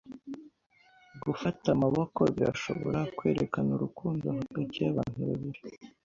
Gufata amaboko birashobora kwerekana urukundo hagati yabantu babiri.